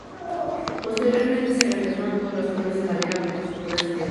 Posteriormente se reemplazaron todos los muros de madera por estructuras de piedra.